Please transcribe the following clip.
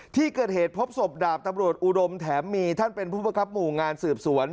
ที่เกิดเหตุพบศพดาบตำรวจอุดมแถมมีท่านเป็นผู้ประคับหมู่งานสืบสวน